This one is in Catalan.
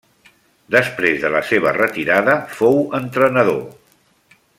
Després de la seva retirada fou entrenador.